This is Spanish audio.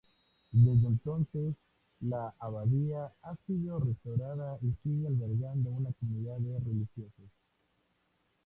Desde entonces, la abadía ha sido restaurada y sigue albergando una comunidad de religiosos.